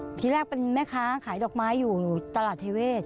อันที่แรกคือแม่ค้าขายดอกไม้อยู่ตลาดเทวเวศ